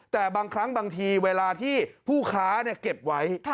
แต่บางครั้งบางทีเวลาที่ผู้ค้าเก็บไว้